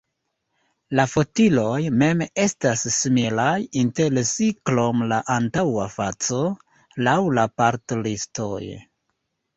La fotiloj mem estas similaj inter si krom la antaŭa faco, laŭ la part-listoj.